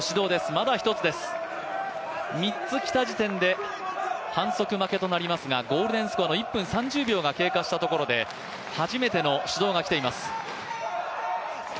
まだ１つです、３つきた時点で反則負けとなりますがゴールデンスコアの１分３０秒が経過したところで初めての指導が来ています。